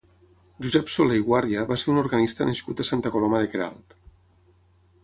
Josep Soler i Guàrdia va ser un organista nascut a Santa Coloma de Queralt.